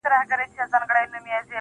• د ژوندون ساه او مسيحا وړي څوك.